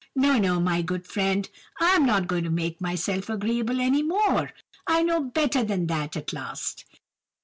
'No, no, my good friend, I'm not going to make myself agreeable any more. I know better than that at last!